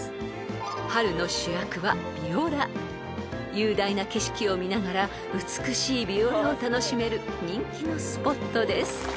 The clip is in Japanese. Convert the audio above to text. ［雄大な景色を見ながら美しいビオラを楽しめる人気のスポットです］